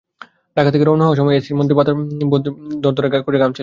ঢাকা থেকে রওনা হওয়ার সময় তো এসির মধ্যে বসেও দরদর করে ঘামছিলাম।